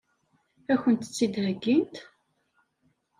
Ad kent-tt-id-heggint?